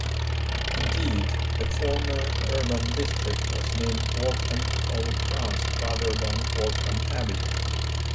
Indeed, the former urban district was named Waltham Holy Cross, rather than Waltham Abbey.